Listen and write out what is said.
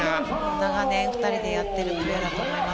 長年、２人でやっているプレーだと思います。